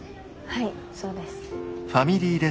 はいそうです。